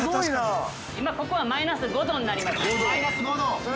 ◆今ここはマイナス５度になります。